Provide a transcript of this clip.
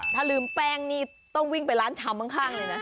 ถ้าลืมแป้งนี่ต้องวิ่งไปร้านชามข้างเลยนะ